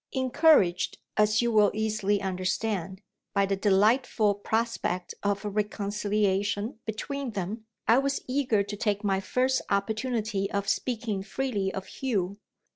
Encouraged, as you will easily understand, by the delightful prospect of a reconciliation between them, I was eager to take my first opportunity of speaking freely of Hugh.